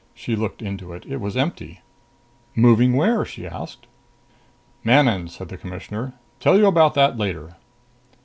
She looked into it. It was empty. "Moving where?" she asked. "Manon," said the Commissioner. "Tell you about that later."